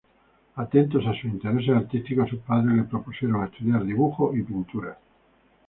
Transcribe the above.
Atentos a sus intereses artísticos, sus padres le propusieron estudiar dibujo y pintura.